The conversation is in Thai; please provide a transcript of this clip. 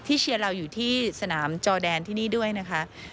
เชียร์เราอยู่ที่สนามจอแดนที่นี่ด้วยนะคะ